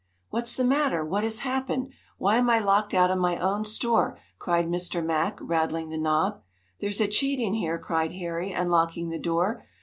"What's the matter? What has happened? Why am I locked out of my own store?" cried Mr. Mack, rattling the knob. "There's a cheat in here!" cried Harry, unlocking the door.